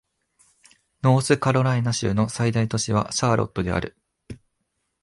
ノースカロライナ州の最大都市はシャーロットである